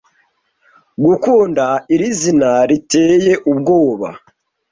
gukunda iri zina riteye ubwoba